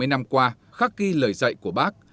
bảy mươi năm qua khắc ghi lời dạy của bác